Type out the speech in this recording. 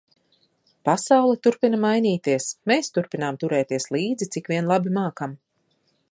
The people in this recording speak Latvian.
Pasaule turpina mainīties, mēs turpinām turēties līdzi, cik vien labi mākam.